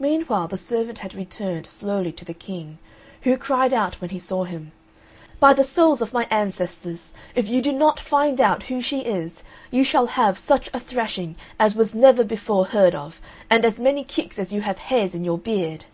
Meanwhile the servant had returned slowly to the King, who cried out when he saw him, "By the souls of my ancestors, if you do not find out who she is you shall have such a thrashing as was never before heard of, and as many kicks as you have hairs in your beard!"